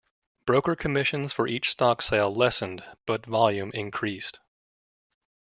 Broker commissions for each stock sale lessened, but volume increased.